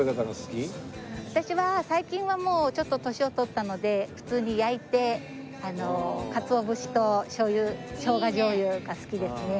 私は最近はもうちょっと年を取ったので普通に焼いてかつお節と醤油生姜醤油が好きですね。